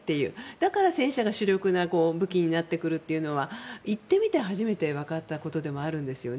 だから戦車が主力な武器になってくるのは行ってみて、初めて分かったことでもあるんですね。